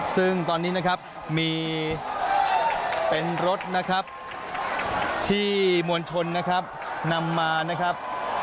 ซึ่งตอนนี้นะครับมีเป็นรถนะครับที่มวลชนนะครับนำมานะครับ